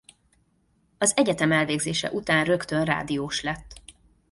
Az egyetem elvégzése után rögtön rádiós lett.